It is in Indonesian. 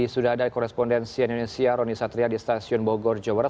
sudah ada korespondensi indonesia roni satria di stasiun bogor jawa barat